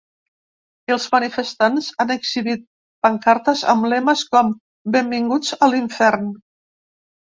Els manifestants han exhibit pancartes amb lemes com ‘Benvinguts a l’infern’.